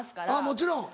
もちろん。